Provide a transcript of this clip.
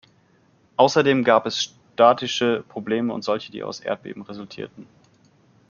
Außerdem gab es statische Probleme und solche, die aus Erdbeben resultierten.